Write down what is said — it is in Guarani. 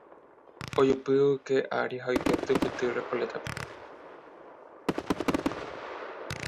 ojupi ogyke ári ha oike tyvyty Recoleta-pe